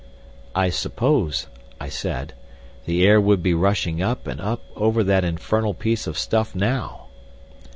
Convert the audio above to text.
"I suppose," I said, "the air would be rushing up and up over that infernal piece of stuff now."